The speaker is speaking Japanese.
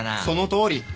そのとおり。